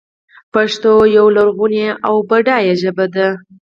پښتو یوه لرغونې او بډایه ژبه ده.